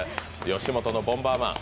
吉本のボンバーマン。